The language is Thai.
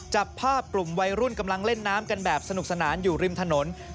จับภาพกลุ่มวัยรุ่นกำลังเล่นน้ำกันแบบสนุกสนานอยู่ริมถนน